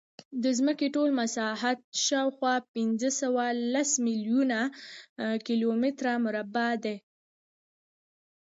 د ځمکې ټول مساحت شاوخوا پینځهسوهلس میلیونه کیلومتره مربع دی.